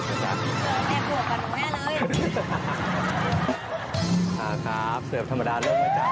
ครับครับเสือบธรรมดาเริ่มมาจาก